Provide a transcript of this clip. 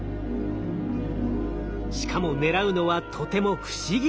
しかも狙うのはとても不思議なオーロラ。